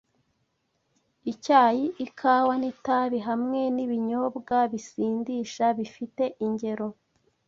Icyayi, ikawa, n’itabi hamwe n’ibinyobwa bisindisha bifite ingero